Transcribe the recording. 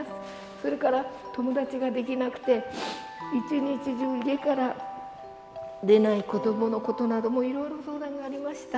それから友達ができなくて、一日中家から出ない子どものことなどもいろいろ相談がありました。